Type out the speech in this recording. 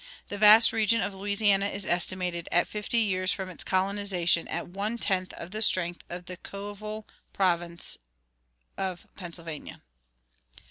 The vast region of Louisiana is estimated, at fifty years from its colonization, at one tenth of the strength of the coeval province of Pennsylvania.